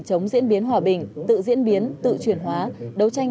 chống diễn biến hòa bình tự diễn biến tự chuyển hóa đấu tranh